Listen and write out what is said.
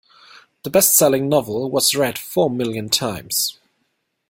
The bestselling novel was read four million times.